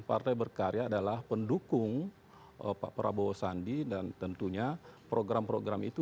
partai berkarya adalah pendukung pak prabowo sandi dan tentunya program program itu